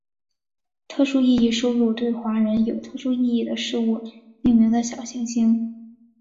特殊意义收录对华人有特殊意义的事物命名的小行星。